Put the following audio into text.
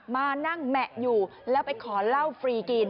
มานั่งแหมะอยู่แล้วไปขอเหล้าฟรีกิน